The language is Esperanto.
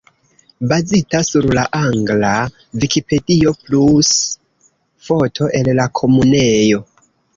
Bazita sur la angla Vikipedio, plus foto el la Komunejo.